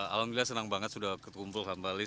alhamdulillah senang banget sudah ketumpul kembali